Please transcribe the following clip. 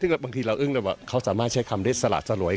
ซึ่งบางทีเราอึ้งเลยว่าเขาสามารถใช้คำได้สละสลวย